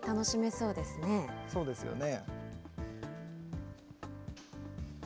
そうですよね。